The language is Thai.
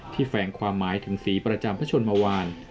ที่แฝงความหมายถึงสีประจำพระชนมวาร